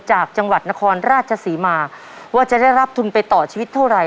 จากจังหวัดนครราชศรีมาว่าจะได้รับทุนไปต่อชีวิตเท่าไร